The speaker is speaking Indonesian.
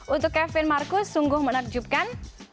untuk kevin marcus sungguh menakjubkan